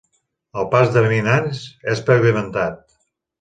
El pas de vianants és pavimentat.